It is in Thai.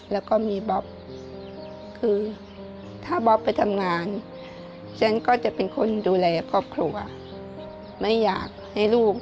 แล้วก็มีบ๊อบคือถ้าบ๊อบไปทำงานฉันก็จะเป็นคนดูแลครอบครัวไม่อยากให้ลูก